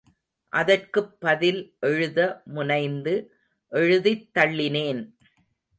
அதற்குப் பதில் எழுத முனைந்து எழுதித் தள்ளினேன்.